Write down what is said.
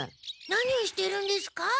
何をしてるんですか？